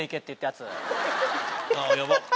ああヤバッ。